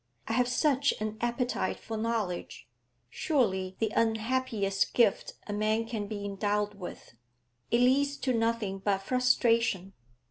I have such an appetite for knowledge, surely the unhappiest gift a man can be endowed with; it leads to nothing but frustration.